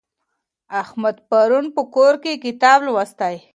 احمد پرون په کور کي کتاب لوستی.